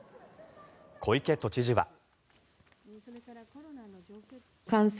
小池都知事は。